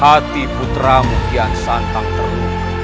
hati putramu kian santa terbuka